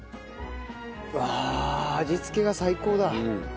うわ味付けが最高だ。